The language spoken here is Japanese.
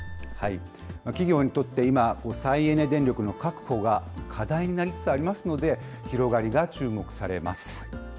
企業にとって今、再エネ電力の確保が課題になりつつありますので、広がりが注目されます。